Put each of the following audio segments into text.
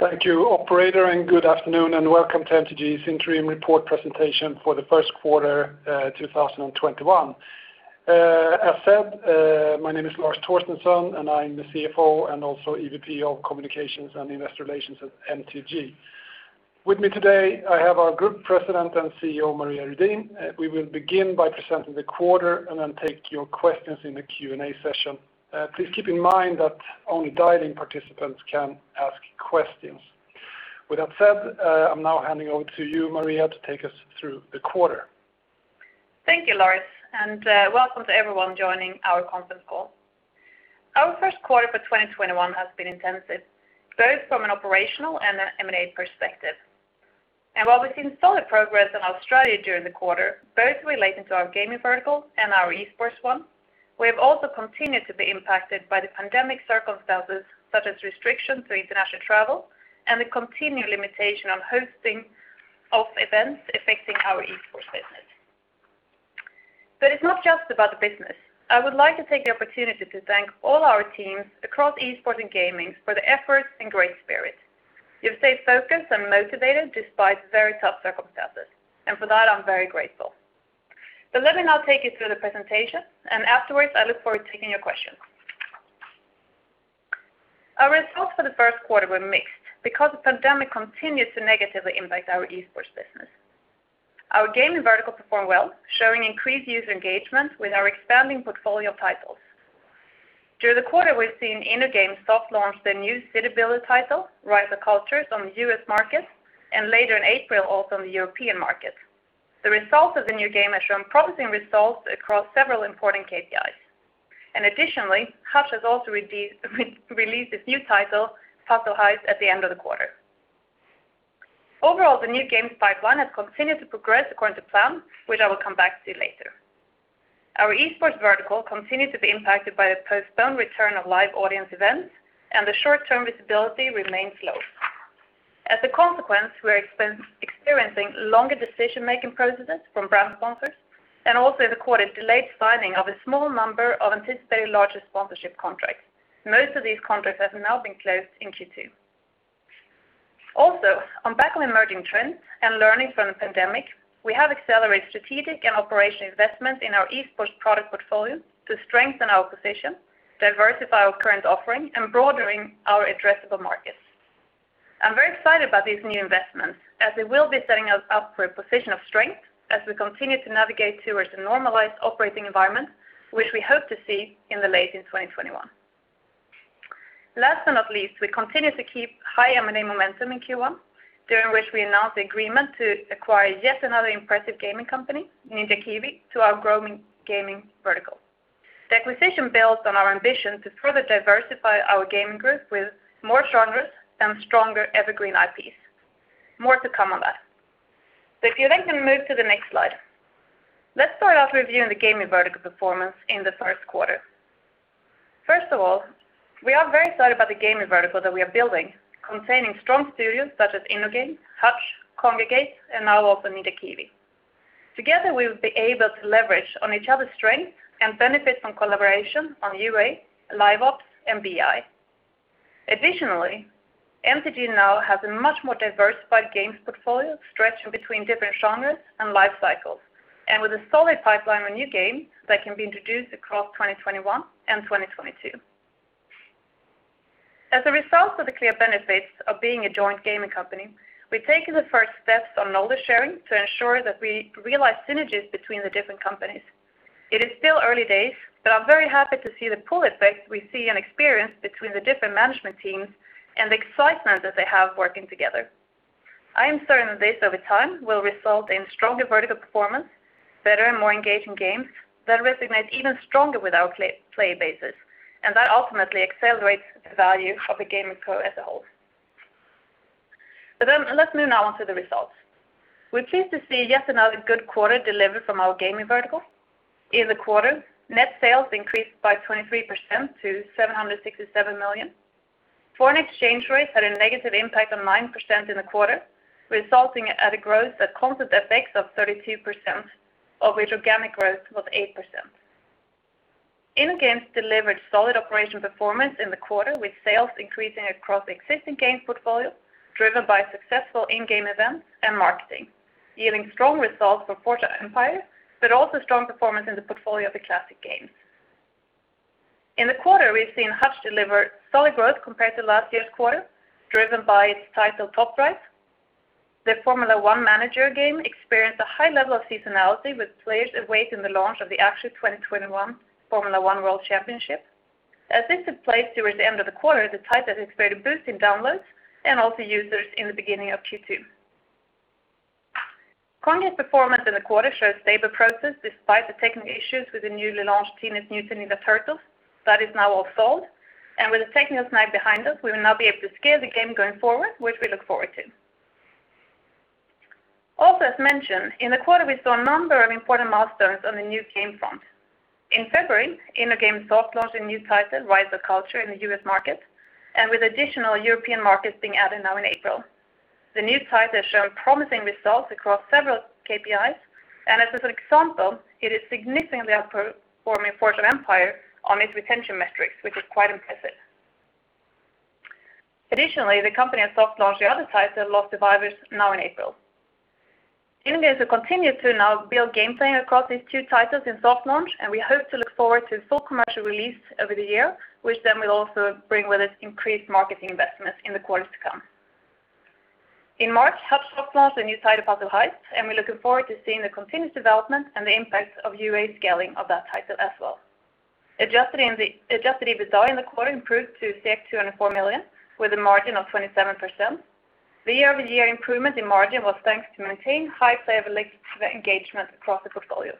Thank you operator, good afternoon and welcome to MTG's interim report presentation for the first quarter 2021. As said, my name is Lars Torstensson, I'm the CFO and also EVP of Communications and Investor Relations at MTG. With me today, I have our Group President and CEO, Maria Redin. We will begin by presenting the quarter then take your questions in the Q&A session. Please keep in mind that only dial-in participants can ask questions. With that said, I'm now handing over to you, Maria, to take us through the quarter. Thank you, Lars. Welcome to everyone joining our conference call. Our first quarter for 2021 has been intensive, both from an operational and an M&A perspective. While we've seen solid progress in our strategy during the quarter, both relating to our gaming vertical and our esports one, we have also continued to be impacted by the pandemic circumstances, such as restrictions to international travel and the continued limitation on hosting of events affecting our esports business. It's not just about the business. I would like to take the opportunity to thank all our teams across esports and gaming for the effort and great spirit. You've stayed focused and motivated despite very tough circumstances, and for that I'm very grateful. Let me now take you through the presentation, and afterwards I look forward to taking your questions. Our results for the first quarter were mixed because the pandemic continued to negatively impact our esports business. Our gaming vertical performed well, showing increased user engagement with our expanding portfolio titles. During the quarter, we've seen InnoGames soft launch their new city builder title, Rise of Cultures, on the U.S. market, and later in April, also on the European market. The results of the new game have shown promising results across several important KPIs. Additionally, Hutch has also released its new title, Top Drives, at the end of the quarter. Overall, the new games pipeline has continued to progress according to plan, which I will come back to later. Our esports vertical continued to be impacted by the postponed return of live audience events, and the short-term visibility remains low. As a consequence, we are experiencing longer decision-making processes from brand sponsors and also in the quarter, delayed signing of a small number of anticipated larger sponsorship contracts. Most of these contracts have now been closed in Q2. On back of emerging trends and learnings from the pandemic, we have accelerated strategic and operational investments in our esports product portfolio to strengthen our position, diversify our current offering, and broadening our addressable markets. I'm very excited about these new investments as they will be setting us up for a position of strength as we continue to navigate towards a normalized operating environment, which we hope to see in the late 2021. Last but not least, we continued to keep high M&A momentum in Q1, during which we announced the agreement to acquire yet another impressive gaming company, Ninja Kiwi, to our growing gaming vertical. The acquisition builds on our ambition to further diversify our gaming group with more genres and stronger evergreen IPs. More to come on that. If you then can move to the next slide. Let's start off reviewing the gaming vertical performance in the first quarter. First of all, we are very excited about the gaming vertical that we are building, containing strong studios such as InnoGames, Hutch, Kongregate, and now also Ninja Kiwi. Together, we will be able to leverage on each other's strengths and benefit from collaboration on UA, Live Ops, and BI. Additionally, MTG now has a much more diversified games portfolio stretching between different genres and life cycles, and with a solid pipeline of new games that can be introduced across 2021 and 2022. As a result of the clear benefits of being a joint gaming company, we've taken the first steps on knowledge-sharing to ensure that we realize synergies between the different companies. It is still early days, but I'm very happy to see the pool effects we see and experience between the different management teams and the excitement that they have working together. I am certain that this, over time, will result in stronger vertical performance, better and more engaging games that resonate even stronger with our player bases, and that ultimately accelerates the value of the gaming co as a whole. Let's move now on to the results. We're pleased to see yet another good quarter delivered from our gaming vertical. In the quarter, net sales increased by 23% to 767 million. Foreign exchange rates had a negative impact on 9% in the quarter, resulting at a growth at constant FX of 32%, of which organic growth was 8%. InnoGames delivered solid operational performance in the quarter with sales increasing across the existing games portfolio, driven by successful in-game events and marketing, yielding strong results for Forge of Empires, but also strong performance in the portfolio of the classic games. In the quarter, we've seen Hutch deliver solid growth compared to last year's quarter, driven by its title Top Drives. Their Formula 1 manager game experienced a high level of seasonality with players awaiting the launch of the actual 2021 Formula 1 World Championship. As this took place towards the end of the quarter, the title has experienced a boost in downloads and also users in the beginning of Q2. Kongregate's performance in the quarter shows stable progress despite the technical issues with the newly launched Teenage Mutant Ninja Turtles. With that now all solved, and with the technical snag behind us, we will now be able to scale the game going forward, which we look forward to. As mentioned, in the quarter, we saw a number of important milestones on the new game front. In February, InnoGames soft launched a new title, Rise of Cultures, in the U.S. market. With additional European markets being added now in April, the new title has shown promising results across several KPIs. As an example, it is significantly outperforming Forge of Empires on its retention metrics, which is quite impressive. Additionally, the company has soft launched the other title, Lost Survivors, now in April. InnoGames, we continue to now build game playing across these two titles in soft launch. We hope to look forward to full commercial release over the year, which will also bring with it increased marketing investments in the quarters to come. In March, Hutch soft launched a new title, "Puzzle Heists." We're looking forward to seeing the continued development and the impacts of UA scaling of that title as well. Adjusted EBITDA in the quarter improved to 204 million, with a margin of 27%. The year-over-year improvement in margin was thanks to maintain high player link engagement across the portfolio.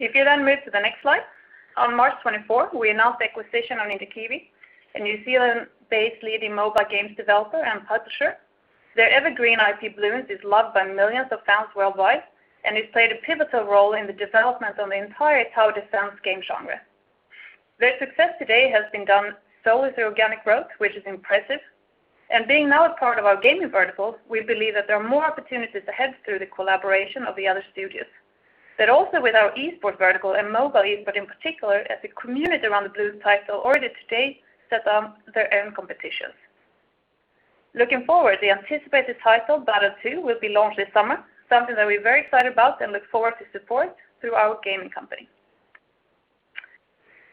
If you move to the next slide. On March 24, we announced the acquisition of Ninja Kiwi, a New Zealand-based leading mobile games developer and publisher. Their evergreen IP, "Bloons", is loved by millions of fans worldwide, and it's played a pivotal role in the development of the entire tower defense game genre. Their success today has been done solely through organic growth, which is impressive. Being now a part of our gaming vertical, we believe that there are more opportunities ahead through the collaboration of the other studios. Also with our esports vertical and mobile esports in particular, as the community around the "Bloons" title already today set up their own competitions. Looking forward, the anticipated title, "Battles 2", will be launched this summer, something that we're very excited about and look forward to support through our gaming company.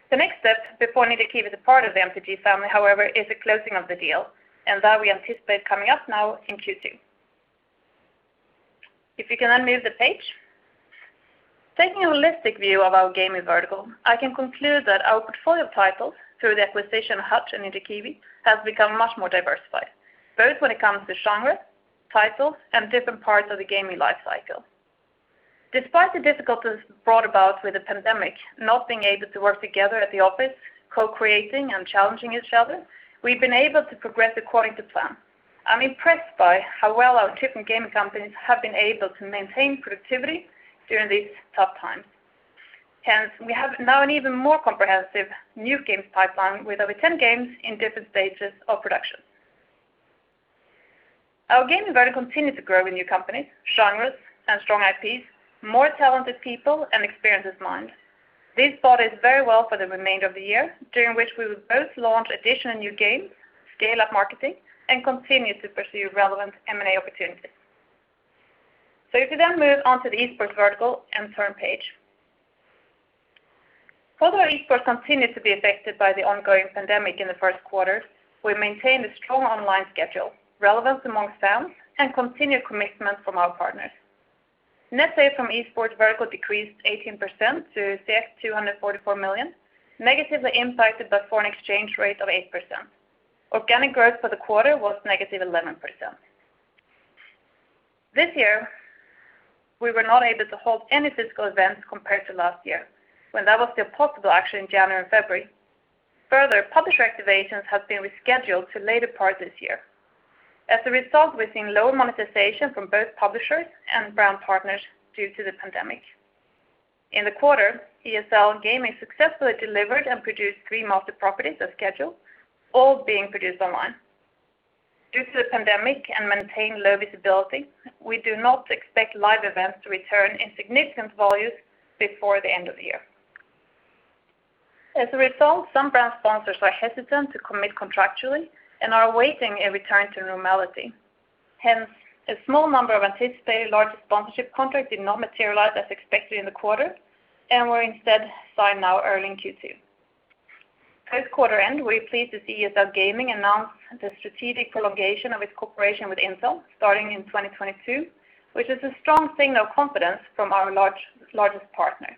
The next step before Ninja Kiwi is a part of the MTG family, however, is the closing of the deal, and that we anticipate coming up now in Q2. If you can move the page. Taking a holistic view of our gaming vertical, I can conclude that our portfolio titles through the acquisition of Hutch and Ninja Kiwi has become much more diversified, both when it comes to genre, title, and different parts of the gaming life cycle. Despite the difficulties brought about with the pandemic, not being able to work together at the office, co-creating and challenging each other, we've been able to progress according to plan. I'm impressed by how well our different gaming companies have been able to maintain productivity during these tough times. Hence, we have now an even more comprehensive new games pipeline with over 10 games in different stages of production. Our gaming vertical continues to grow with new companies, genres, and strong IPs, more talented people, and experienced minds. This bodes very well for the remainder of the year, during which we will both launch additional new games, scale up marketing, and continue to pursue relevant M&A opportunities. If you then move on to the esports vertical and turn page. Although our esports continued to be affected by the ongoing pandemic in the first quarter, we maintained a strong online schedule, relevance amongst fans, and continued commitment from our partners. Net sales from esports vertical decreased 18% to 244 million, negatively impacted by foreign exchange rate of 8%. Organic growth for the quarter was -11%. This year, we were not able to hold any physical events compared to last year, when that was still possible, actually, in January and February. Further, publisher activations have been rescheduled to later part this year. We've seen low monetization from both publishers and brand partners due to the pandemic. In the quarter, ESL Gaming successfully delivered and produced three master properties as scheduled, all being produced online. Due to the pandemic and maintained low visibility, we do not expect live events to return in significant volumes before the end of the year. Some brand sponsors are hesitant to commit contractually and are awaiting a return to normality. A small number of anticipated large sponsorship contracts did not materialize as expected in the quarter and were instead signed now early in Q2. Post quarter end, we're pleased to see ESL Gaming announce the strategic prolongation of its cooperation with Intel starting in 2022, which is a strong signal of confidence from our largest partner.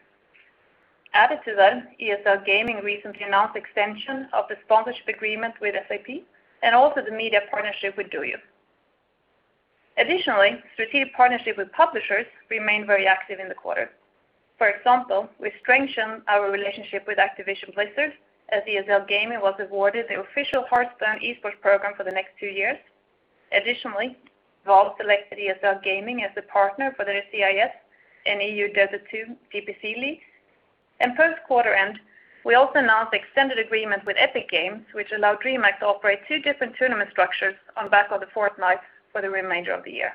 Added to that, ESL Gaming recently announced extension of the sponsorship agreement with SAP and also the media partnership with DouYu. Strategic partnership with publishers remained very active in the quarter. For example, we strengthened our relationship with Activision Blizzard, as ESL Gaming was awarded the official Hearthstone esports program for the next two years. Valve selected ESL Gaming as a partner for their CIS and EU Dota 2 DPC League, and post quarter end, we also announced extended agreement with Epic Games, which allowed DreamHack to operate two different tournament structures on the back of the Fortnite for the remainder of the year.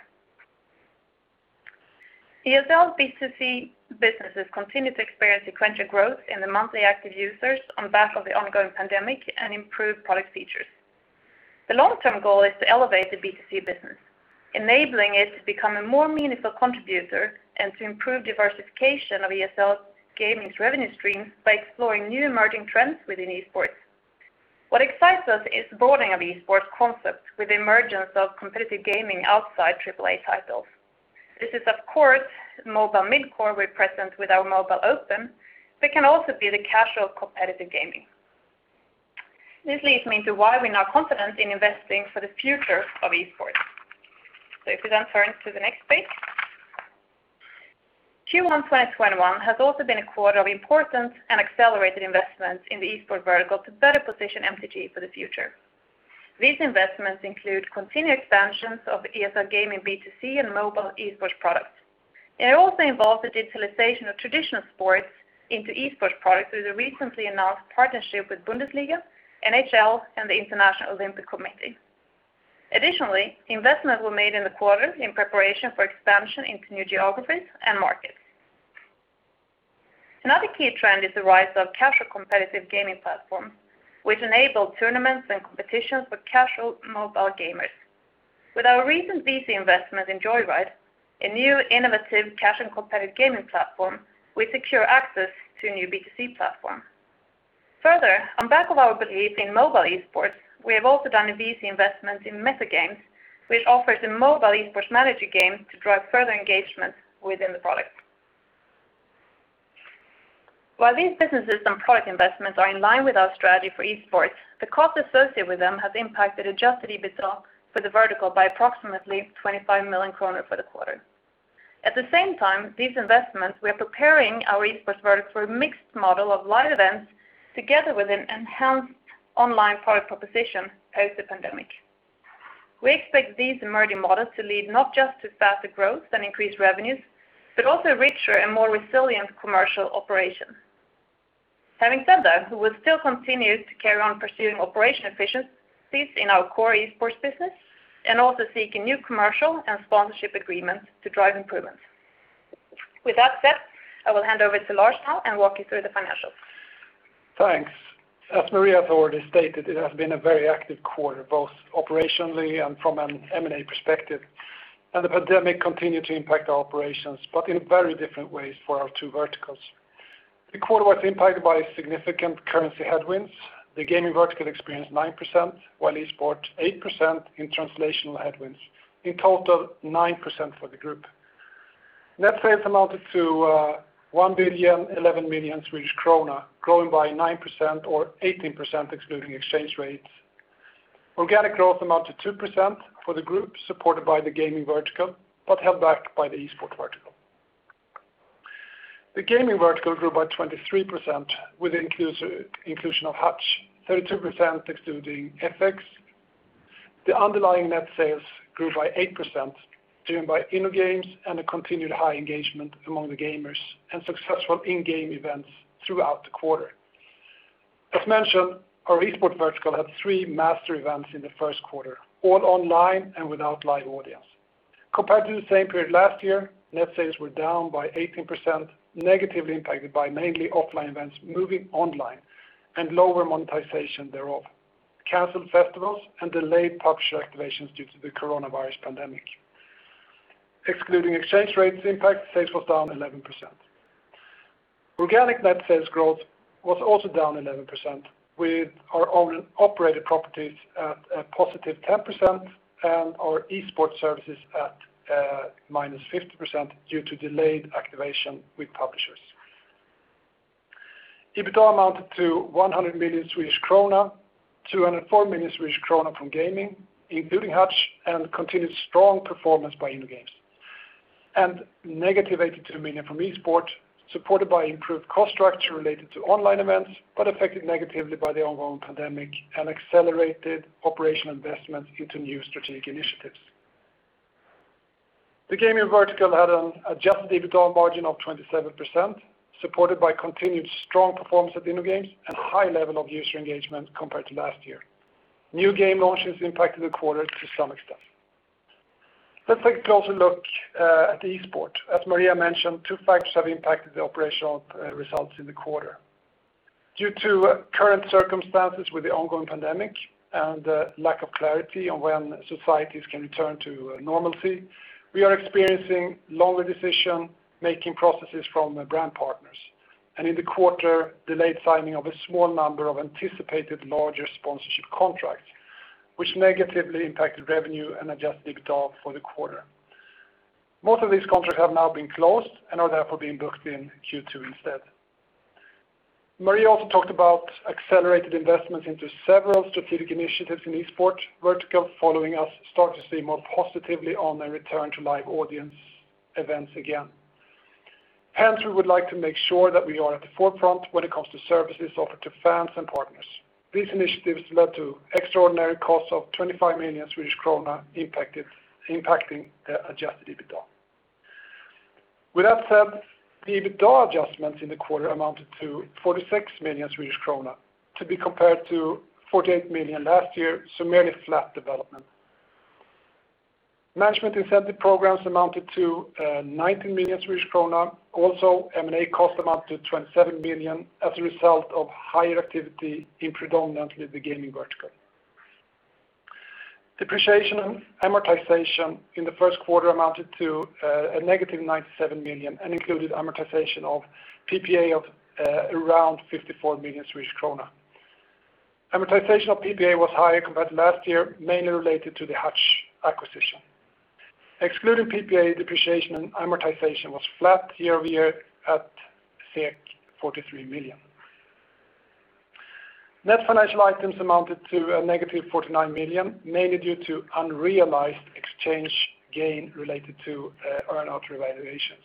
ESL B2C businesses continue to experience sequential growth in the monthly active users on the back of the ongoing pandemic and improved product features. The long-term goal is to elevate the B2C business, enabling it to become a more meaningful contributor and to improve diversification of ESL Gaming's revenue streams by exploring new emerging trends within esports. What excites us is the broadening of esports concepts with the emergence of competitive gaming outside AAA titles. This is, of course, mobile mid-core we present with our ESL Mobile Open, but can also be the casual competitive gaming. This leads me into why we're now confident in investing for the future of esports. If you then turn to the next page. Q1 2021 has also been 1/4 of importance and accelerated investments in the esports vertical to better position MTG for the future. These investments include continued expansions of ESL Gaming B2C and mobile esports products. It also involves the digitalization of traditional sports into esports products with the recently announced partnership with Bundesliga, NHL, and the International Olympic Committee. Additionally, investments were made in the quarter in preparation for expansion into new geographies and markets. Another key trend is the rise of casual competitive gaming platforms, which enable tournaments and competitions for casual mobile gamers. With our recent VC investment in Joyride, a new innovative casual competitive gaming platform, we secure access to a new B2C platform. Further, on back of our belief in mobile esports, we have also done a VC investment in Meta Games, which offers a mobile esports manager game to drive further engagement within the product. While these businesses and product investments are in line with our strategy for esports, the cost associated with them has impacted adjusted EBITDA for the vertical by approximately 25 million kronor for the quarter. At the same time, these investments, we are preparing our esports vertical for a mixed model of live events together with an enhanced online product proposition post the pandemic. We expect these emerging models to lead not just to faster growth and increased revenues, but also richer and more resilient commercial operations. Having said that, we will still continue to carry on pursuing operation efficiencies in our core esports business and also seeking new commercial and sponsorship agreements to drive improvements. With that said, I will hand over to Lars now and walk you through the financials. Thanks. As Maria has already stated, it has been a very active quarter, both operationally and from an M&A perspective. The pandemic continued to impact our operations, but in very different ways for our two verticals. The quarter was impacted by significant currency headwinds. The gaming vertical experienced 9%, while esports 8% in translational headwinds, in total 9% for the group. Net sales amounted to 1,011 million Swedish krona, growing by 9% or 18% excluding FX. Organic growth amounted to 2% for the group supported by the gaming vertical, but held back by the esports vertical. The gaming vertical grew by 23% with inclusion of Hutch, 32% excluding FX. The underlying net sales grew by 8%, driven by InnoGames and a continued high engagement among the gamers and successful in-game events throughout the quarter. As mentioned, our esports vertical had three master events in the first quarter, all online and without live audience. Compared to the same period last year, net sales were down by 18%, negatively impacted by mainly offline events moving online and lower monetization thereof, canceled festivals, and delayed publisher activations due to the coronavirus pandemic. Excluding exchange rates impact, sales was down 11%. Organic net sales growth was also down 11%, with our own operated properties at a +10% and our esports services at -50% due to delayed activation with publishers. EBITDA amounted to 100 million Swedish krona, 204 million Swedish krona from gaming, including Hutch and continued strong performance by InnoGames, and negative 82 million from esports, supported by improved cost structure related to online events, but affected negatively by the ongoing pandemic and accelerated operational investments into new strategic initiatives. The gaming vertical had an adjusted EBITDA margin of 27%, supported by continued strong performance at InnoGames and high level of user engagement compared to last year. New game launches impacted the quarter to some extent. Let's take a closer look at the esports. As Maria mentioned, two factors have impacted the operational results in the quarter. Due to current circumstances with the ongoing pandemic and lack of clarity on when societies can return to normalcy, we are experiencing longer decision-making processes from brand partners, and in the quarter, delayed signing of a small number of anticipated larger sponsorship contracts, which negatively impacted revenue and adjusted EBITDA for the quarter. Most of these contracts have now been closed and are therefore being booked in Q2 instead. Maria also talked about accelerated investments into several strategic initiatives in the esport vertical, following us starting to see more positively on a return to live audience events again. We would like to make sure that we are at the forefront when it comes to services offered to fans and partners. These initiatives led to extraordinary costs of 25 million Swedish krona impacting the adjusted EBITDA. With that said, the EBITDA adjustments in the quarter amounted to 46 million Swedish krona to be compared to 48 million last year. Merely flat development. Management incentive programs amounted to 19 million Swedish krona, also M&A cost amount to 27 million as a result of higher activity in predominantly the gaming vertical. Depreciation and amortization in the first quarter amounted to a negative 97 million and included amortization of PPA of around 54 million Swedish krona. Amortization of PPA was higher compared to last year, mainly related to the Hutch acquisition. Excluding PPA, depreciation, and amortization was flat year-over-year at 43 million. Net financial items amounted to a negative 49 million, mainly due to unrealized exchange gain related to earn-out revaluations.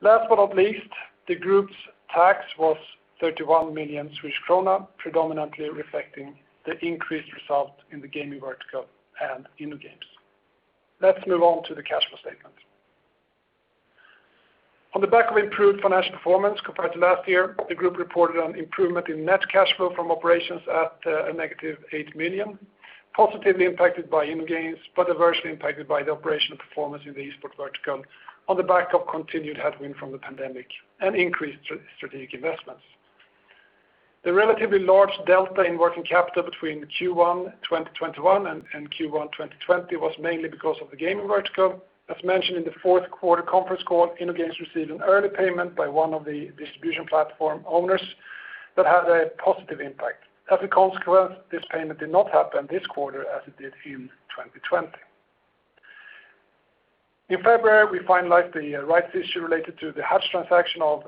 Last but not least, the group's tax was 31 million krona, predominantly reflecting the increased result in the gaming vertical and InnoGames. Let's move on to the cash flow statement. On the back of improved financial performance compared to last year, the group reported an improvement in net cash flow from operations at a negative 8 million, positively impacted by InnoGames, but adversely impacted by the operational performance in the esports vertical on the back of continued headwind from the pandemic and increased strategic investments. The relatively large delta in working capital between Q1 2021 and Q1 2020 was mainly because of the gaming vertical. As mentioned in the fourth quarter conference call, InnoGames received an early payment by one of the distribution platform owners that had a positive impact. As a consequence, this payment did not happen this quarter as it did in 2020. In February, we finalized the rights issue related to the Hutch transaction of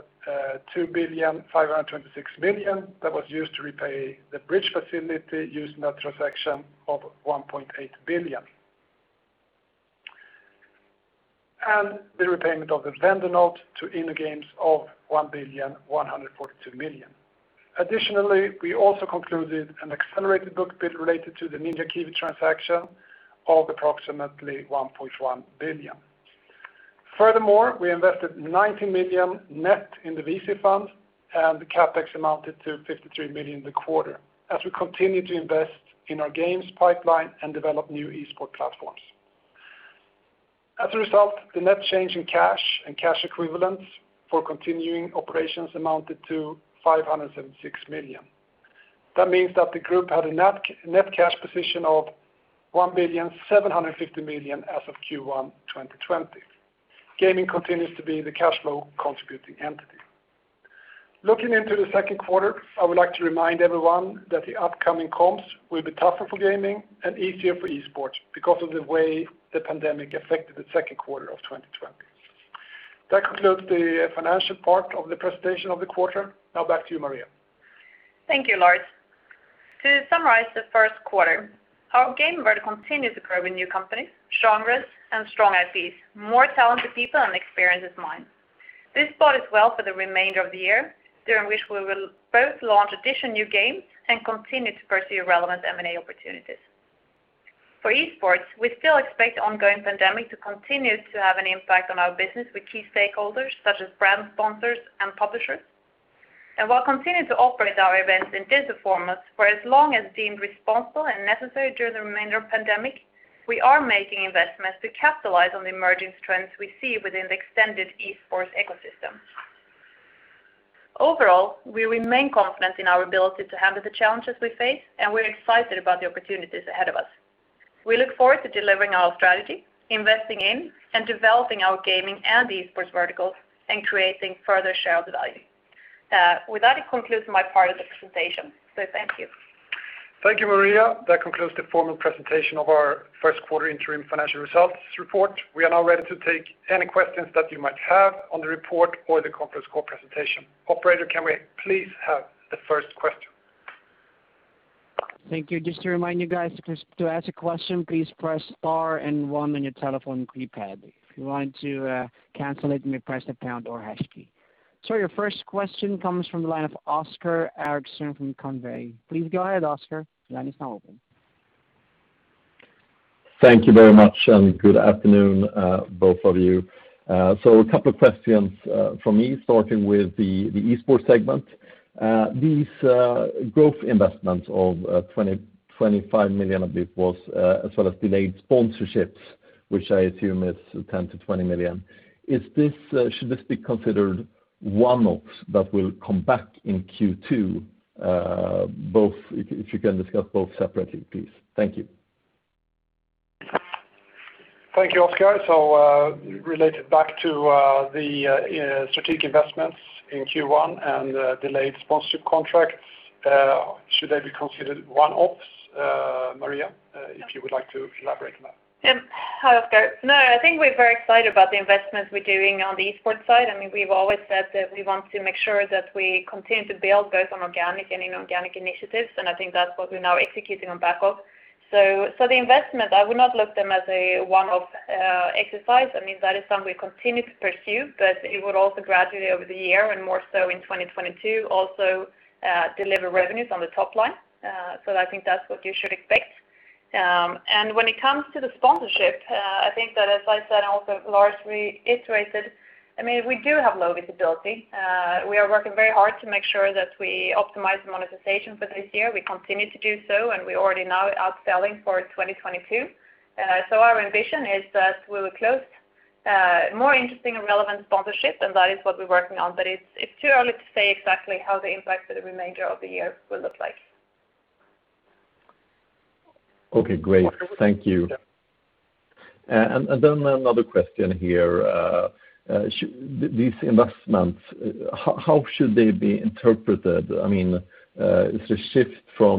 2,526,000 that was used to repay the bridge facility used in that transaction of 1.8 billion. The repayment of the vendor note to InnoGames of 1,142,000,000. Additionally, we also concluded an accelerated book bid related to the Ninja Kiwi transaction of approximately 1.1 billion. Furthermore, we invested 90 million net in the VC funds, and the CapEx amounted to 53 million in the quarter as we continue to invest in our games pipeline and develop new esports platforms. As a result, the net change in cash and cash equivalents for continuing operations amounted to 576 million. That means that the group had a net cash position of 1,750,000 as of Q1 2020. Gaming continues to be the cash flow contributing entity. Looking into the second quarter, I would like to remind everyone that the upcoming comps will be tougher for gaming and easier for esports because of the way the pandemic affected the second quarter of 2020. That concludes the financial part of the presentation of the quarter. Now back to you, Maria. Thank you, Lars. To summarize the first quarter, our gaming vertical continues to grow with new companies, genres, and strong IPs, more talented people and experienced minds. This bodes well for the remainder of the year, during which we will both launch additional new games and continue to pursue relevant M&A opportunities. For esports, we still expect the ongoing pandemic to continue to have an impact on our business with key stakeholders such as brand sponsors and publishers. While continuing to operate our events in digital formats for as long as deemed responsible and necessary during the remainder of the pandemic, we are making investments to capitalize on the emerging trends we see within the extended esports ecosystem. Overall, we remain confident in our ability to handle the challenges we face, and we're excited about the opportunities ahead of us. We look forward to delivering our strategy, investing in and developing our gaming and esports verticals, and creating further shareholder value. With that, it concludes my part of the presentation. Thank you. Thank you, Maria. That concludes the formal presentation of our first quarter interim financial results report. We are now ready to take any questions that you might have on the report or the conference call presentation. Operator, can we please have the first question? Thank you. Just to remind you guys, to ask a question, please press star one on your telephone keypad. If you want to cancel it, you may press the pound or hash key. Your first question comes from the line of Oscar Erixon from Carnegie. Please go ahead, Oscar. The line is now open. Thank you very much, and good afternoon, both of you. A couple of questions from me, starting with the esports segment. These growth investments of 25 million, I believe it was, as well as delayed sponsorships, which I assume is 10 million-20 million, should this be considered one-offs that will come back in Q2? If you can discuss both separately, please. Thank you. Thank you, Oscar. Related back to the strategic investments in Q1 and delayed sponsorship contracts, should they be considered one-offs? Maria, if you would like to elaborate on that. Hi, Oscar. I think we're very excited about the investments we're doing on the esports side. We've always said that we want to make sure that we continue to build both on organic and inorganic initiatives, I think that's what we're now executing on back of. The investment, I would not look at them as a one-off exercise. That is something we continue to pursue, it would also gradually over the year and more so in 2022, also deliver revenues on the top line. I think that's what you should expect. When it comes to the sponsorship, I think that as I said, also Lars reiterated, we do have low visibility. We are working very hard to make sure that we optimize the monetization for this year. We continue to do so, we already now are upselling for 2022. Our ambition is that we will close more interesting and relevant sponsorships, and that is what we're working on. It's too early to say exactly how the impact for the remainder of the year will look like. Okay, great. Thank you. Another question here. These investments, how should they be interpreted? Is this a shift from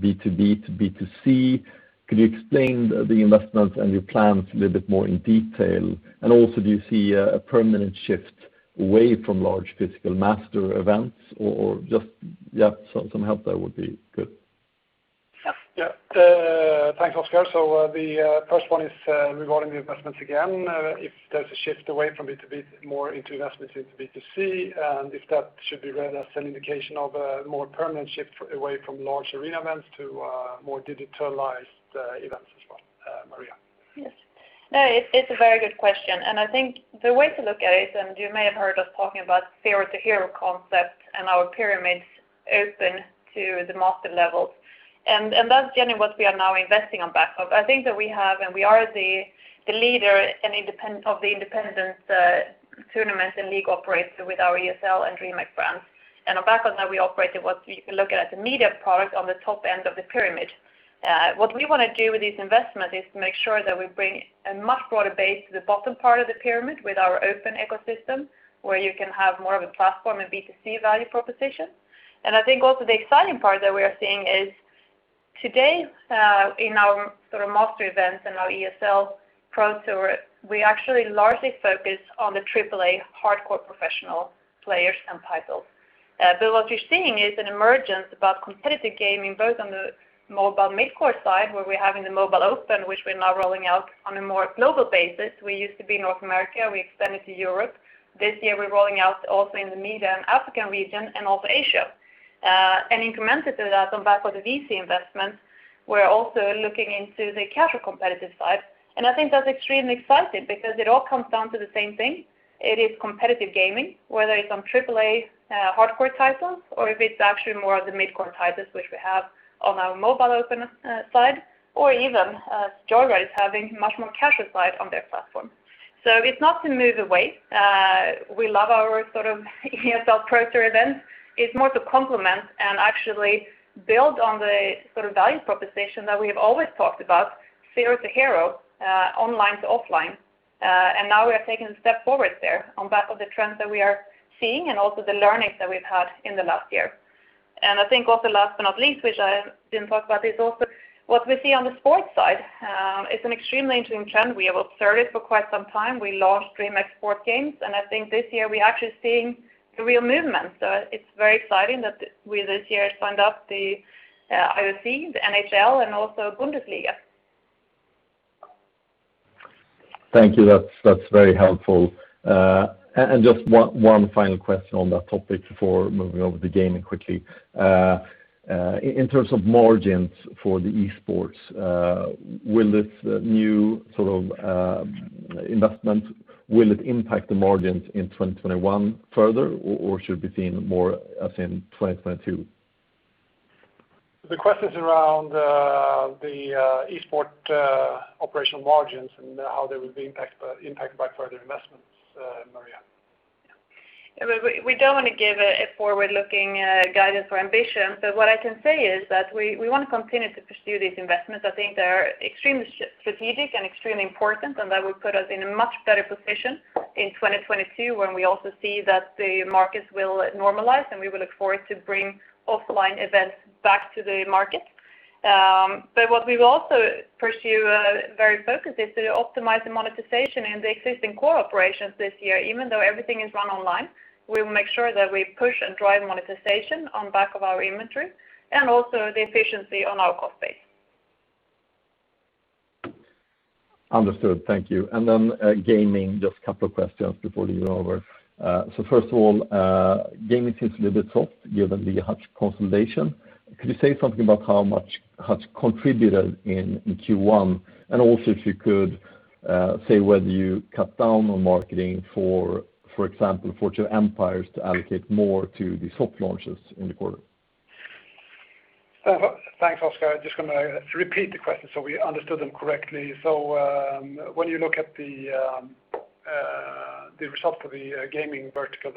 B2B to B2C? Could you explain the investments and your plans a little bit more in detail? Also, do you see a permanent shift away from large physical master events, or just some help there would be good. Yeah. Thanks, Oscar. The first one is regarding the investments again, if there's a shift away from B2B, more into investments into B2C, and if that should be read as an indication of a more permanent shift away from large arena events to more digitalized events as well, Maria? Yes. No, it's a very good question. I think the way to look at it, you may have heard us talking about zero to hero concept and our pyramids open to the master levels. That's generally what we are now investing on back of. I think that we have, we are the leader of the independent tournaments and league operator with our ESL and DreamHack brands. On back of that, we operate what you can look at as a media product on the top end of the pyramid. What we want to do with this investment is to make sure that we bring a much broader base to the bottom part of the pyramid with our open ecosystem, where you can have more of a platform and B2C value proposition. I think also the exciting part that we are seeing is today, in our master events and our ESL Pro Tour, we actually largely focus on the AAA hardcore professional players and titles. What we're seeing is an emergence about competitive gaming, both on the mobile mid-core side, where we have in the ESL Mobile Open, which we're now rolling out on a more global basis. We used to be North America, we expanded to Europe. This year, we're rolling out also in the Middle and African region and also Asia. Incremental to that, on back of the VC investments, we're also looking into the casual competitive side, and I think that's extremely exciting because it all comes down to the same thing. It is competitive gaming, whether it's on AAA hardcore titles or if it's actually more of the mid-core titles, which we have on our mobile open side, or even Joyride is having much more casual side on their platform. It's not to move away. We love our ESL Pro Tour events. It's more to complement and actually build on the value proposition that we have always talked about, zero to hero, online to offline. Now we are taking a step forward there on back of the trends that we are seeing and also the learnings that we've had in the last year. I think also last but not least, which I didn't talk about, is also what we see on the sports side is an extremely interesting trend. We have observed it for quite some time. We launched DreamHack Sports Games. I think this year we are actually seeing the real movement. It's very exciting that we this year signed up the IOC, the NHL, and also Bundesliga. Thank you. Just one final question on that topic before moving over to gaming quickly. In terms of margins for the esports, will this new investment impact the margins in 2021 further, or should we see more as in 2022? The question is around the esports operational margins and how they will be impacted by further investments, Maria. We don't want to give a forward-looking guidance or ambition, but what I can say is that we want to continue to pursue these investments. I think they are extremely strategic and extremely important, and that will put us in a much better position in 2022 when we also see that the markets will normalize, and we will look forward to bring offline events back to the market. What we will also pursue very focused is to optimize the monetization in the existing core operations this year, even though everything is run online, we will make sure that we push and drive monetization on back of our inventory and also the efficiency on our cost base. Understood. Thank you. Gaming, just couple of questions before leaving it over. First of all, gaming seems a little bit soft given the Hutch consolidation. Could you say something about how much Hutch contributed in Q1? Also if you could say whether you cut down on marketing, for example, Forge of Empires to allocate more to the soft launches in the quarter? Thanks, Oscar. Just going to repeat the question so we understood them correctly. When you look at the results for the gaming vertical,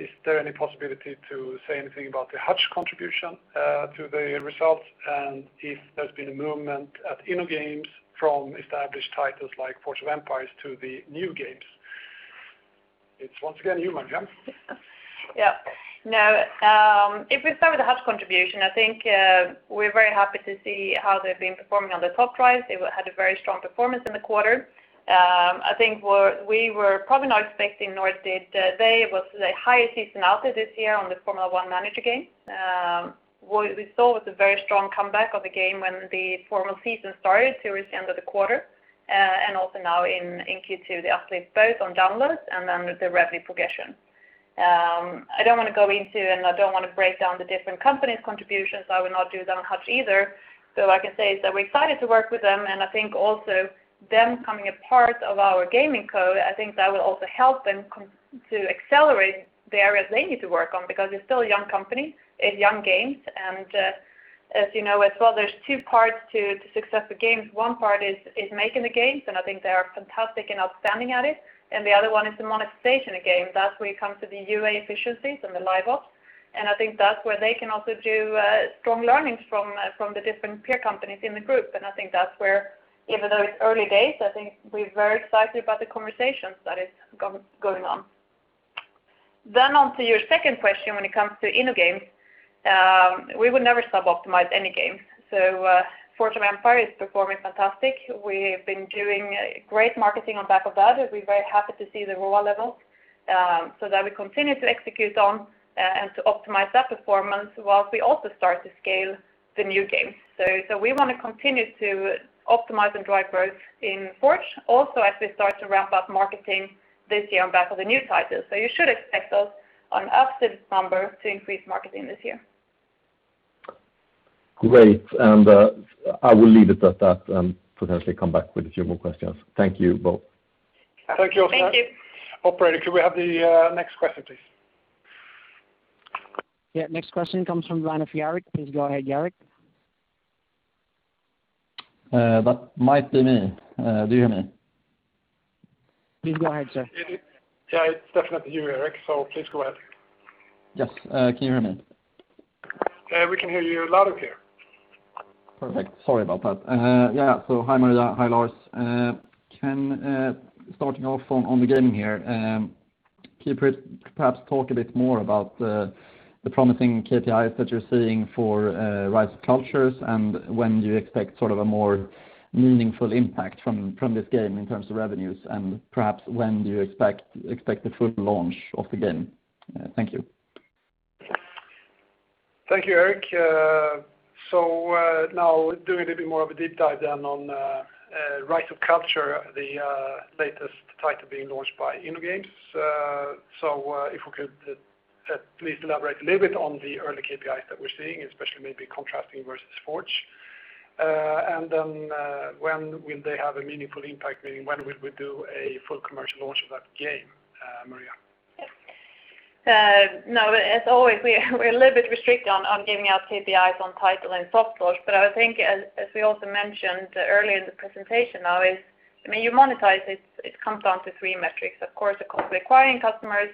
is there any possibility to say anything about the Hutch contribution to the results and if there's been a movement at InnoGames from established titles like "Forge of Empires" to the new games? It is once again you, Maria. If we start with the Hutch contribution, I think we're very happy to see how they've been performing on the top line. They had a very strong performance in the quarter. I think what we were probably not expecting, nor did they, was the higher seasonality this year on the "Formula 1" manager game. What we saw was a very strong comeback of the game when the Formula 1 season started towards the end of the quarter, and also now in Q2, the uplift both on downloads and on the revenue progression. I don't want to go into, and I don't want to break down the different companies' contributions, so I will not do that on Hutch either. I can say is that we're excited to work with them. I think also them becoming a part of our gaming co, I think that will also help them to accelerate the areas they need to work on because it's still a young company, it's young games. As you know as well, there's two parts to successful games. One part is making the games, and I think they are fantastic and outstanding at it. The other one is the monetization of games. That's where you come to the UA efficiencies and the Live Ops. I think that's where they can also do strong learnings from the different peer companies in the group. I think that's where even though it's early days, I think we're very excited about the conversations that is going on. On to your second question when it comes to InnoGames, we would never sub-optimize any game. “Forge of Empires” is performing fantastic. We have been doing great marketing on back of that. We're very happy to see the ROAS level, so that we continue to execute on and to optimize that performance while we also start to scale the new games. We want to continue to optimize and drive growth in “Forge”, also as we start to ramp up marketing this year on back of the new titles. You should expect us on active number to increase marketing this year. Great, I will leave it at that and potentially come back with a few more questions. Thank you both. Thank you. Thank you. Operator, could we have the next question, please? Yeah, next question comes from the line of Erik. Please go ahead, Erik. That might be me. Do you hear me? Please go ahead, sir. Yeah, it's definitely you, Erik, so please go ahead. Yes. Can you hear me? Yeah, we can hear you loud and clear. Perfect. Sorry about that. Yeah. Hi, Maria. Hi, Lars. Starting off on the gaming here, can you perhaps talk a bit more about the promising KPIs that you're seeing for "Rise of Cultures", and when do you expect a more meaningful impact from this game in terms of revenues, and perhaps when do you expect the full launch of the game? Thank you. Thank you, Erik. Now doing a little bit more of a deep dive on "Rise of Cultures", the latest title being launched by InnoGames. If we could please elaborate a little bit on the early KPIs that we're seeing, especially maybe contrasting versus "Forge", when will they have a meaningful impact? Meaning when will we do a full commercial launch of that game, Maria? Yes. As always, we're a little bit restricted on giving out KPIs on title and soft launch, but I think as we also mentioned earlier in the presentation now is, you monetize it comes down to three metrics, of course, acquiring customers,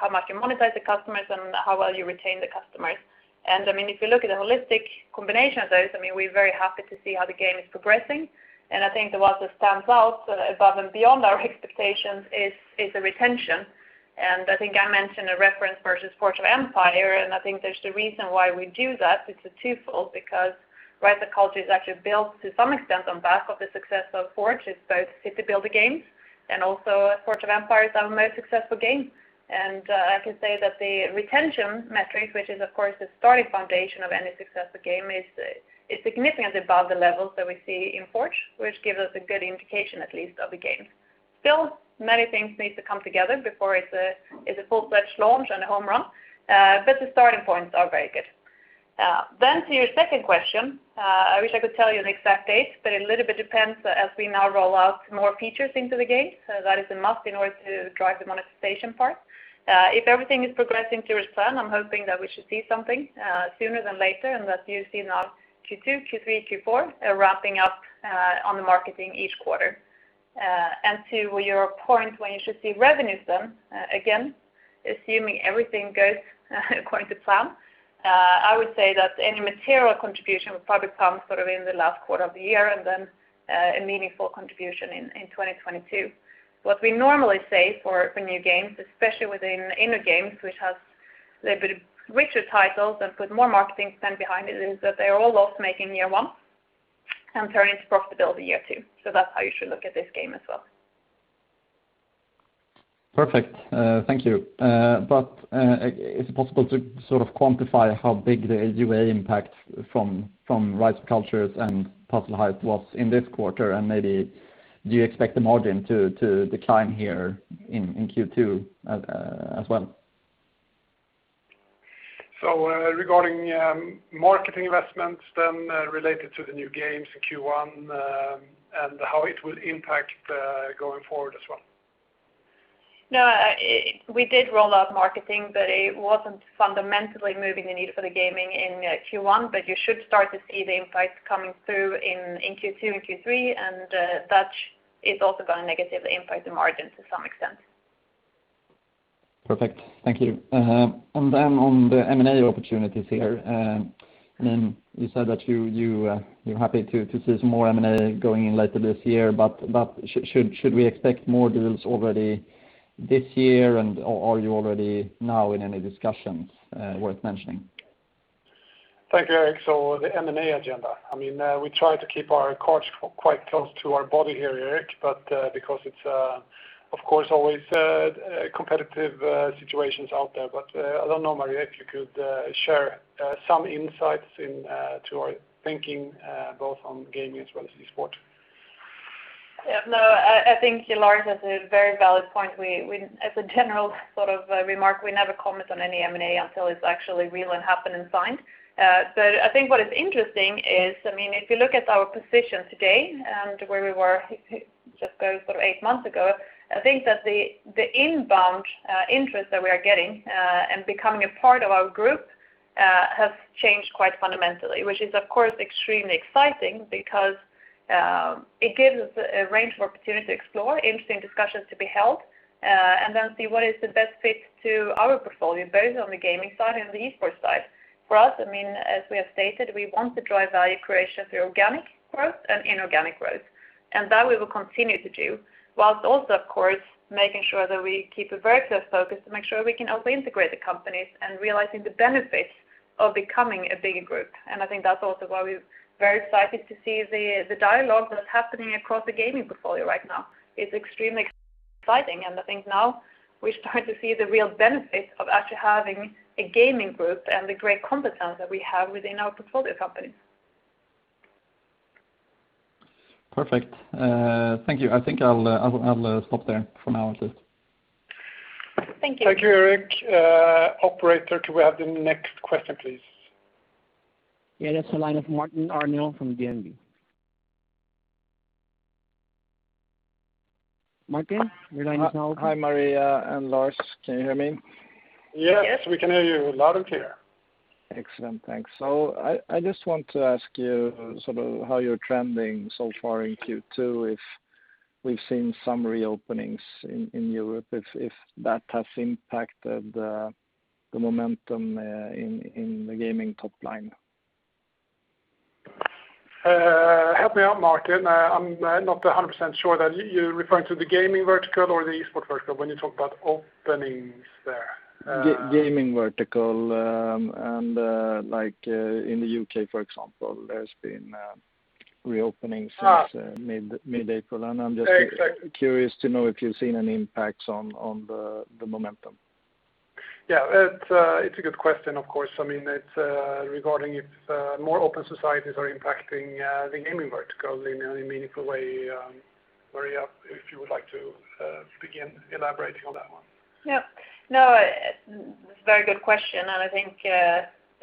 how much you monetize the customers, and how well you retain the customers. If you look at the holistic combination of those, we're very happy to see how the game is progressing. I think that what stands out above and beyond our expectations is the retention. I think I mentioned a reference versus Forge of Empires, and I think there's the reason why we do that, it's a twofold because Rise of Cultures is actually built to some extent on back of the success of Forge. It's both city builder games, and also Forge of Empires is our most successful game. I can say that the retention metric, which is of course the starting foundation of any successful game, is significantly above the levels that we see in Forge, which gives us a good indication, at least, of the game. Still, many things need to come together before it's a full-fledged launch and a home run. The starting points are very good. To your second question, I wish I could tell you an exact date, but it little bit depends as we now roll out more features into the game. That is a must in order to drive the monetization part. If everything is progressing to plan, I'm hoping that we should see something sooner than later, and that you see now Q2, Q3, Q4 ramping up on the marketing each quarter. To your point when you should see revenues then, again, assuming everything goes according to plan, I would say that any material contribution will probably come in the last quarter of the year and then a meaningful contribution in 2022. What we normally say for new games, especially within InnoGames, which has a little bit richer titles and put more marketing spend behind it, is that they're all loss-making year one and turn into profitability year two. That's how you should look at this game as well. Perfect. Thank you. Is it possible to quantify how big the UA impact from "Rise of Cultures" and "Puzzle Heights" was in this quarter, and maybe do you expect the margin to decline here in Q2 as well? Regarding marketing investments related to the new games in Q1, how it will impact going forward as well? No, we did roll out marketing, but it wasn't fundamentally moving the needle for the gaming in Q1. You should start to see the impact coming through in Q2 and Q3, and that is also going to negatively impact the margin to some extent. Perfect. Thank you. On the M&A opportunities here, you said that you're happy to see some more M&A going in later this year. Should we expect more deals already this year, and/or are you already now in any discussions worth mentioning? Thank you, Erik. The M&A agenda. We try to keep our cards quite close to our body here, Erik, but because it's of course always competitive situations out there. I don't know, Maria, if you could share some insights into our thinking, both on gaming as well as esports. Yeah, no, I think Lars has a very valid point. As a general sort of remark, we never comment on any M&A until it's actually real and happened and signed. I think what is interesting is, if you look at our position today and where we were just going eight months ago, I think that the inbound interest that we are getting and becoming a part of our group has changed quite fundamentally, which is of course extremely exciting because it gives us a range of opportunity to explore interesting discussions to be held, and then see what is the best fit to our portfolio, both on the gaming side and the esports side. For us, as we have stated, we want to drive value creation through organic growth and inorganic growth, and that we will continue to do, whilst also of course, making sure that we keep a very clear focus to make sure we can also integrate the companies and realizing the benefits of becoming a bigger group. I think that's also why we're very excited to see the dialogue that's happening across the gaming portfolio right now. It's extremely exciting, and I think now we're starting to see the real benefits of actually having a gaming group and the great competence that we have within our portfolio companies. Perfect. Thank you. I think I'll stop there for now at least. Thank you. Thank you, Erik. Operator, could we have the next question, please? Yes, the line of Martin Arnell from DNB. Martin, your line is now open. Hi, Maria and Lars. Can you hear me? Yes, we can hear you loud and clear. Excellent, thanks. I just want to ask you how you're trending so far in Q2, if we've seen some reopenings in Europe, if that has impacted the momentum in the gaming top line? Help me out, Martin. I'm not 100% sure that you're referring to the gaming vertical or the esports vertical when you talk about openings there. Gaming vertical, like in the U.K., for example, there's been reopenings since mid-April. Exactly. Curious to know if you've seen any impacts on the momentum. Yeah, it's a good question, of course. It's regarding if more open societies are impacting the gaming vertical in any meaningful way. Maria, if you would like to begin elaborating on that one. Yeah. It's a very good question. They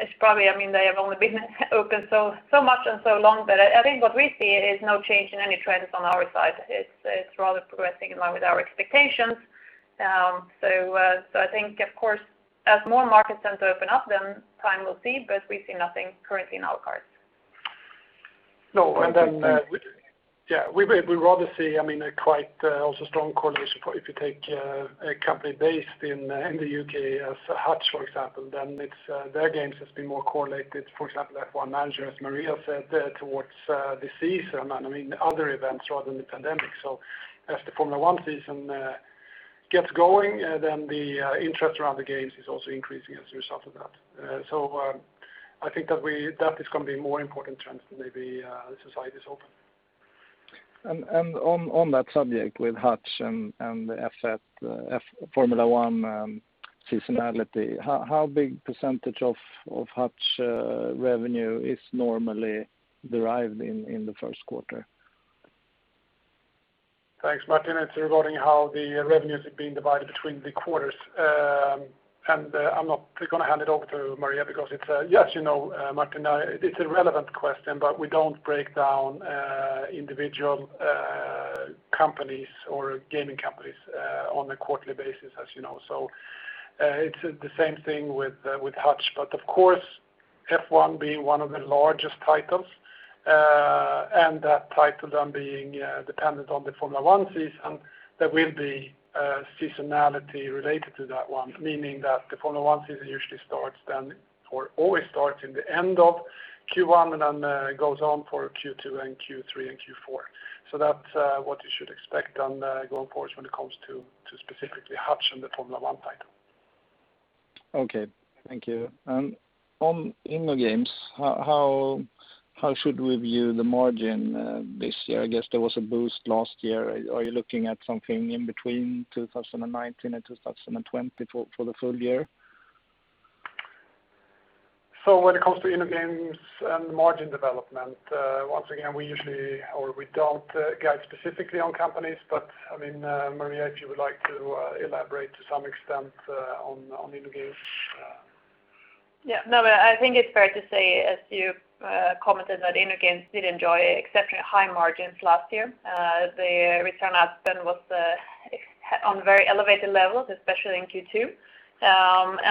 have only been open so much and so long, I think what we see is no change in any trends on our side. It's rather progressing in line with our expectations. I think, of course, as more markets then open up, then time will see, we see nothing currently in our cards. Yeah, we rather see quite also strong correlation. If you take a company based in the U.K., as Hutch, for example, then their games has been more correlated, for example, F1 Manager, as Maria said, towards the season, and other events rather than the pandemic. As the Formula 1 season gets going, then the interest around the games is also increasing as a result of that. I think that is going to be a more important trend than maybe societies open. On that subject with Hutch and the F1 seasonality, how big percentage of Hutch revenue is normally derived in the first quarter? Thanks, Martin. It's regarding how the revenues have been divided between the quarters. Yes, Martin, it's a relevant question, but we don't break down individual companies or gaming companies on a quarterly basis, as you know. It's the same thing with Hutch. Of course, F1 being one of the largest titles, and that title then being dependent on the Formula 1 season, there will be seasonality related to that one, meaning that the Formula 1 season usually starts then, or always starts in the end of Q1 and then goes on for Q2 and Q3 and Q4. That's what you should expect going forward when it comes to specifically Hutch and the Formula 1 title. Okay, thank you. On InnoGames, how should we view the margin this year? I guess there was a boost last year. Are you looking at something in between 2019 and 2020 for the full year? When it comes to InnoGames and margin development, once again, we don't guide specifically on companies. Maria, if you would like to elaborate to some extent on InnoGames. Yeah. No, I think it's fair to say, as you commented, that InnoGames did enjoy exceptionally high margins last year. The return on ad spend was on very elevated levels, especially in Q2.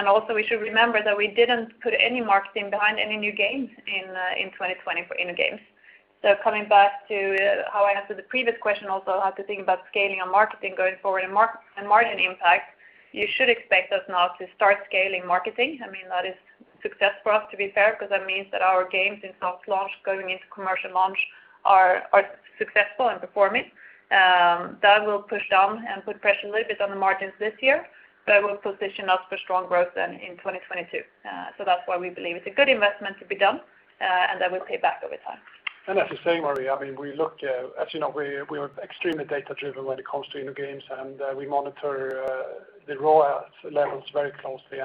Also, we should remember that we didn't put any marketing behind any new games in 2020 for InnoGames. Coming back to how I answered the previous question also, how to think about scaling and marketing going forward and margin impact, you should expect us now to start scaling marketing. That is success for us, to be fair, because that means that our games in soft launch going into commercial launch are successful and performing. That will push down and put pressure a little bit on the margins this year, but will position us for strong growth then in 2022. That's why we believe it's a good investment to be done, and that will pay back over time. As you say, Maria, as you know, we are extremely data-driven when it comes to InnoGames, and we monitor the ROAS levels very closely,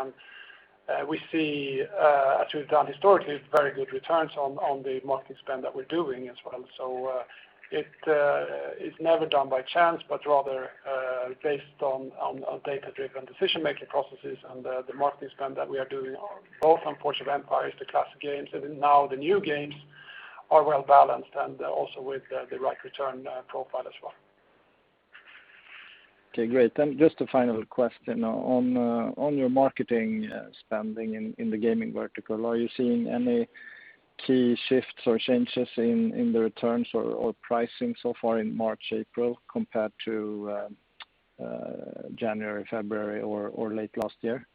and we see, as we've done historically, very good returns on the marketing spend that we're doing as well. It's never done by chance, but rather based on data-driven decision-making processes and the marketing spend that we are doing both on Forge of Empires, the classic games, and now the new games are well-balanced and also with the right return profile as well. Okay, great. Just a final question. On your marketing spending in the gaming vertical, are you seeing any key shifts or changes in the returns or pricing so far in March, April, compared to January, February, or late last year?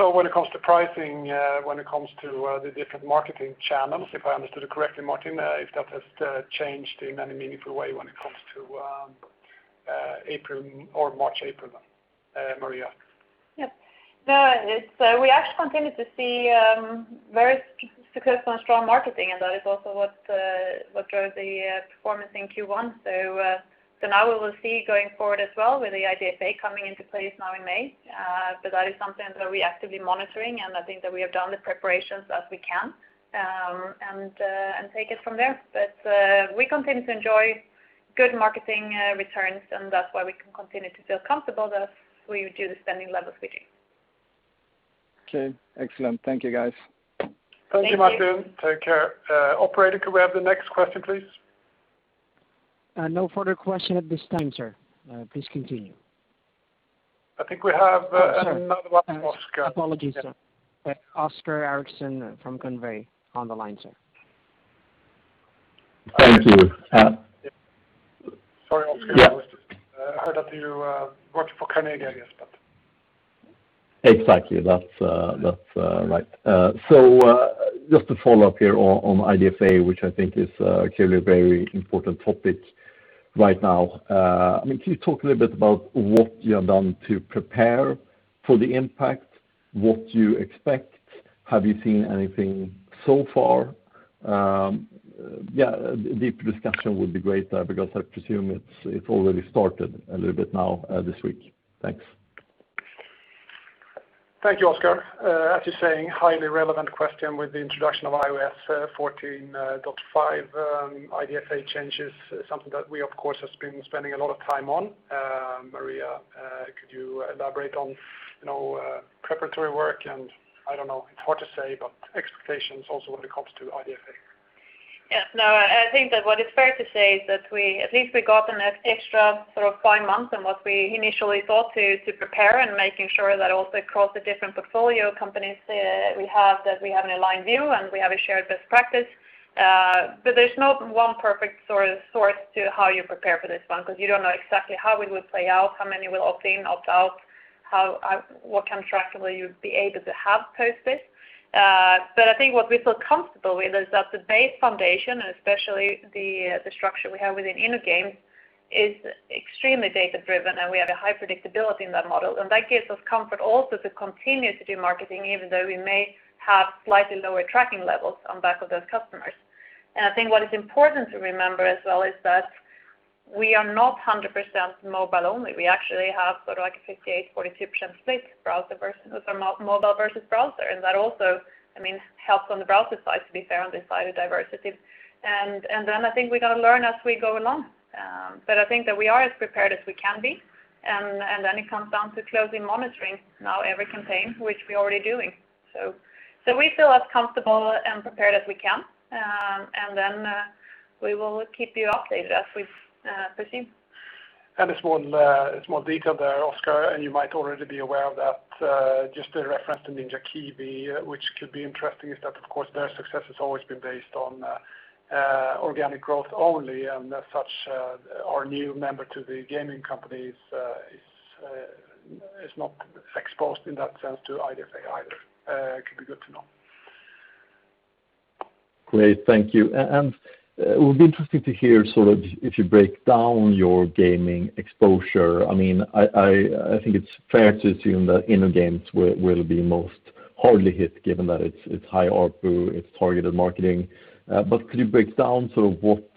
When it comes to pricing, when it comes to the different marketing channels, if I understood it correctly, Martin, if that has changed in any meaningful way when it comes to April or March, April then. Maria? Yes. We actually continue to see very successful and strong marketing, and that is also what drove the performance in Q1. Now we will see going forward as well with the IDFA coming into place now in May, but that is something that we are actively monitoring, and I think that we have done the preparations as we can, and take it from there. We continue to enjoy good marketing returns, and that's why we can continue to feel comfortable that we do the spending levels we do. Okay. Excellent. Thank you, guys. Thank you. Thank you, Martin. Take care. Operator, could we have the next question, please? No further question at this time, sir. Please continue. I think we have another one, Oscar. Oh, sir. Apologies, sir. Oscar Erixon from Carnegie on the line, sir. Thank you. Sorry, Oscar. Yeah. I heard that you work for Carnegie, I guess, but. Exactly. That's right. Just to follow up here on IDFA, which I think is clearly a very important topic right now. Can you talk a little bit about what you have done to prepare for the impact, what you expect? Have you seen anything so far? A deep discussion would be great there because I presume it's already started a little bit now, this week. Thanks. Thank you, Oscar. As you're saying, highly relevant question with the introduction of iOS 14.5 IDFA changes, something that we, of course, have been spending a lot of time on. Maria, could you elaborate on preparatory work, and, I don't know, it's hard to say, but expectations also when it comes to IDFA? Yeah. I think that what is fair to say is that at least we got an extra five months on what we initially thought to prepare and making sure that also across the different portfolio companies we have, that we have an aligned view, and we have a shared best practice. There's no one perfect source to how you prepare for this one, because you don't know exactly how it would play out, how many will opt in, opt out, what kind of tracking will you be able to have post this. I think what we feel comfortable with is that the base foundation, and especially the structure we have within InnoGames, is extremely data-driven, and we have a high predictability in that model, and that gives us comfort also to continue to do marketing, even though we may have slightly lower tracking levels on back of those customers. I think what is important to remember as well is that we are not 100% mobile only. We actually have a 58%-42% split, mobile versus browser, and that also helps on the browser side, to be fair, on this side of diversity. I think we're going to learn as we go along. I think that we are as prepared as we can be, and then it comes down to closely monitoring now every campaign, which we're already doing. We feel as comfortable and prepared as we can. Then we will keep you updated as we proceed. A small detail there, Oscar, and you might already be aware of that, just to reference the Ninja Kiwi, which could be interesting, is that, of course, their success has always been based on organic growth only. As such, our new member to the gaming companies is not exposed in that sense to IDFA either. Could be good to know. Great. Thank you. It would be interesting to hear, if you break down your gaming exposure, I think it's fair to assume that InnoGames will be most hardly hit given that it's high ARPU, it's targeted marketing. Could you break down what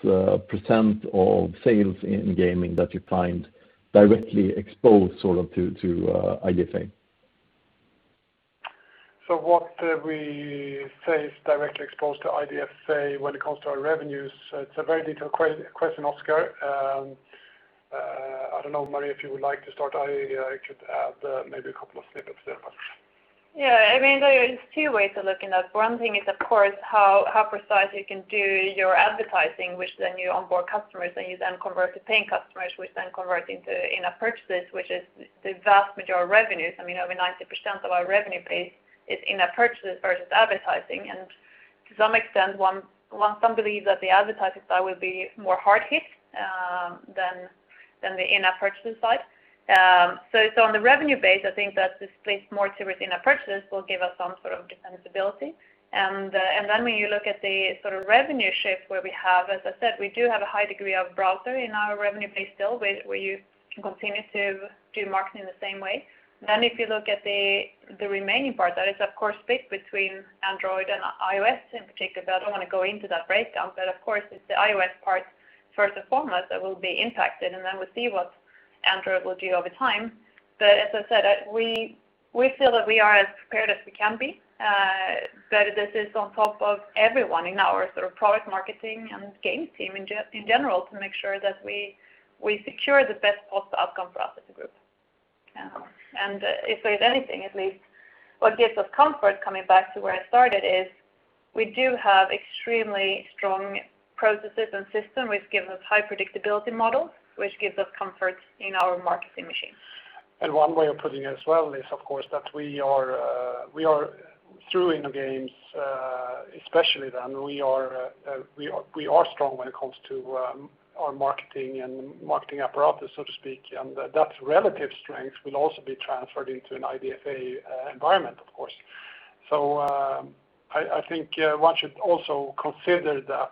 percent of sales in gaming that you find directly exposed to IDFA? What we say is directly exposed to IDFA when it comes to our revenues, it's a very detailed question, Oscar. I don't know, Maria, if you would like to start. I could add maybe a couple of snippets there. Yeah, there is two ways of looking at it. One thing is, of course, how precise you can do your advertising, which then you onboard customers and you then convert to paying customers, which then convert into in-app purchases, which is the vast majority of revenues. Over 90% of our revenue base is in-app purchases versus advertising. To some extent, some believe that the advertising side will be more hard hit than the in-app purchase side. On the revenue base, I think that this plays more to within our purchases will give us some sort of defensibility. When you look at the revenue shift where we have, as I said, we do have a high degree of browser in our revenue base still, where you can continue to do marketing in the same way. If you look at the remaining part, that is of course split between Android and iOS in particular, but I don't want to go into that breakdown, but of course it's the iOS part first and foremost that will be impacted, and then we'll see what Android will do over time. As I said, we feel that we are as prepared as we can be. This is on top of everyone in our product marketing and game team in general to make sure that we secure the best possible outcome for us as a group. If there is anything, at least what gives us comfort coming back to where I started is we do have extremely strong processes and systems which give us high predictability models, which gives us comfort in our marketing machines. One way of putting it as well is, of course, that through InnoGames especially, we are strong when it comes to our marketing and marketing apparatus, so to speak, and that relative strength will also be transferred into an IDFA environment, of course. I think one should also consider that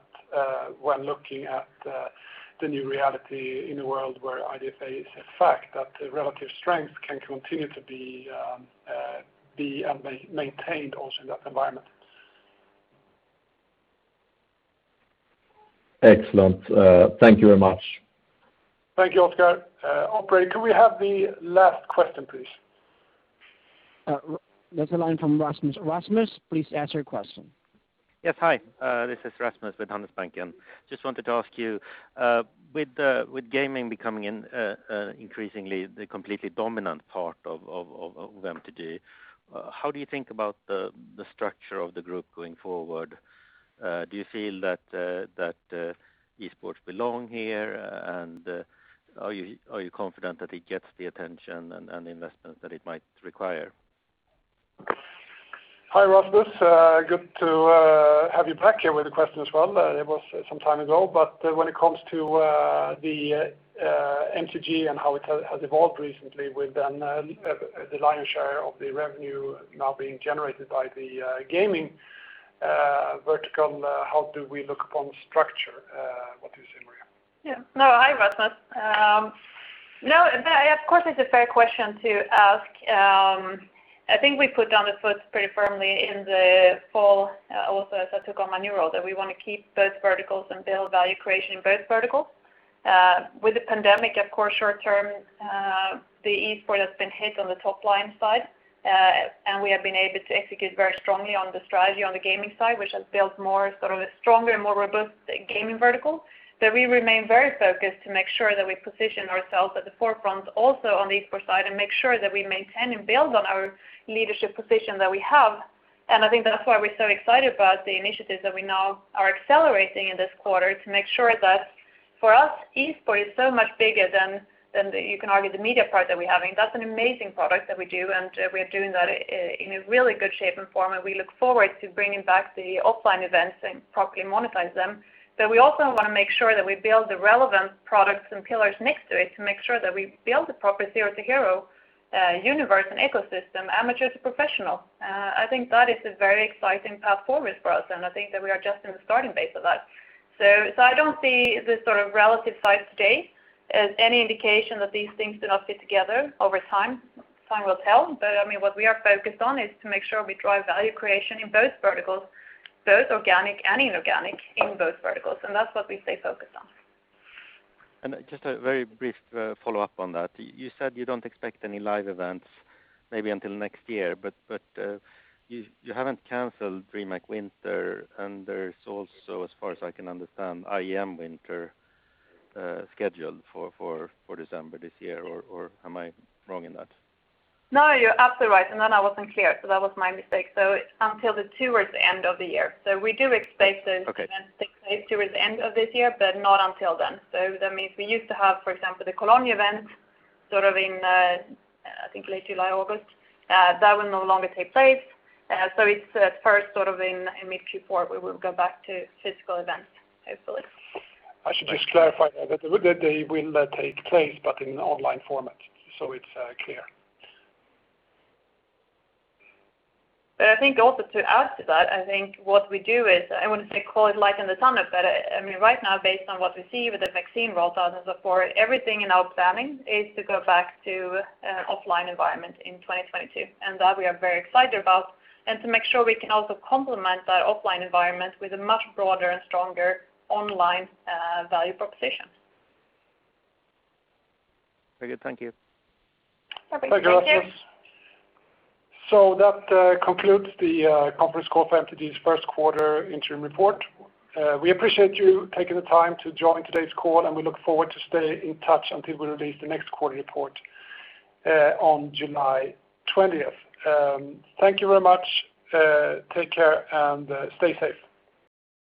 when looking at the new reality in a world where IDFA is a fact that the relative strength can continue to be and maintained also in that environment. Excellent. Thank you very much. Thank you, Oscar. Operator, could we have the last question, please? There's a line from Rasmus. Rasmus, please ask your question. Yes. Hi, this is Rasmus with Handelsbanken. Just wanted to ask you, with gaming becoming increasingly the completely dominant part of MTG, how do you think about the structure of the group going forward? Do you feel that esports belong here, and are you confident that it gets the attention and investment that it might require? Hi, Rasmus. Good to have you back here with a question as well. It was some time ago, but when it comes to the MTG and how it has evolved recently with the lion's share of the revenue now being generated by the gaming vertical, how do we look upon the structure? What do you say, Maria? Yeah. No. Hi, Rasmus. Of course, it's a fair question to ask. I think we put down the foot pretty firmly in the fall also as I took on my new role, that we want to keep both verticals and build value creation in both verticals. With the pandemic, of course, short term, the esports has been hit on the top-line side. We have been able to execute very strongly on the strategy on the gaming side, which has built more sort of a stronger and more robust gaming vertical, that we remain very focused to make sure that we position ourselves at the forefront also on the esports side and make sure that we maintain and build on our leadership position that we have. I think that's why we're so excited about the initiatives that we now are accelerating in this quarter to make sure that for us, esports is so much bigger than you can argue the media part that we have, and that's an amazing product that we do, and we are doing that in a really good shape and form, and we look forward to bringing back the offline events and properly monetize them. We also want to make sure that we build the relevant products and pillars next to it to make sure that we build the proper zero to hero universe and ecosystem, amateur to professional. I think that is a very exciting platform for us, and I think that we are just in the starting base of that. I don't see the sort of relative size today as any indication that these things do not fit together over time. Time will tell. I mean, what we are focused on is to make sure we drive value creation in both verticals, both organic and inorganic in both verticals, and that's what we stay focused on. Just a very brief follow-up on that. You said you don't expect any live events maybe until next year, but you haven't canceled DreamHack Winter, and there's also, as far as I can understand, IEM Winter scheduled for December this year, or am I wrong in that? No, you're absolutely right, and then I wasn't clear, so that was my mistake. Until towards the end of the year, we do expect those events take place towards the end of this year, but not until then. That means we used to have, for example, the Cologne event sort of in, I think late July, August. That will no longer take place. It's first sort of in mid Q4, we will go back to physical events, hopefully. I should just clarify that they will take place but in online format so it's clear. I think also to add to that, I think what we do is I wouldn't say call it light in the tunnel, but right now, based on what we see with the vaccine rollout and so forth, everything in our planning is to go back to an offline environment in 2022. That we are very excited about and to make sure we can also complement that offline environment with a much broader and stronger online value proposition. Very good. Thank you. No problem. Thank you. Thanks, Rasmus. That concludes the conference call for MTG's first quarter interim report. We appreciate you taking the time to join today's call, and we look forward to stay in touch until we release the next quarter report on July 20th. Thank you very much. Take care and stay safe.